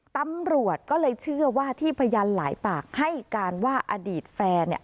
ตำรวจก็เลยเชื่อว่าที่พยานหลายปากให้การว่าอดีตแฟนเนี่ย